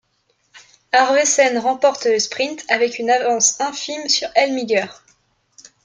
Arvesen remporte le sprint avec une avance infime sur Elmiger.